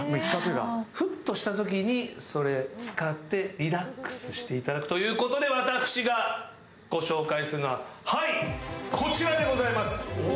フッとしたときにそれを使ってリラックスしていただくということで、私が、ご紹介するのは、はい、こちらでございます。